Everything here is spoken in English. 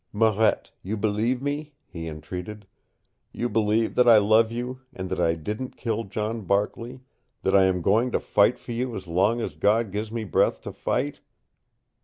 "Marette, you believe me?" he entreated. "You believe that I love you, that I didn't kill John Barkley, that I am going to fight for you as long as God gives me breath to fight?"